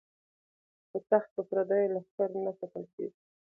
خو تخت په پردیو لښکرو نه ساتل کیږي.